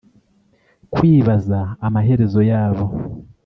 Kwibaza amaherezo yabo